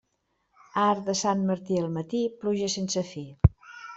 Arc de Sant Martí al matí, pluja sense fi.